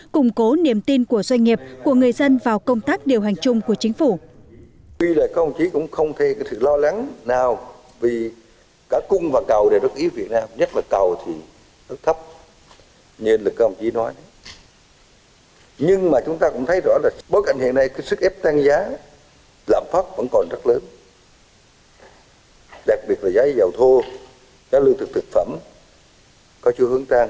củng cố niềm tin của doanh nghiệp của người dân vào công tác điều hành chung của chính phủ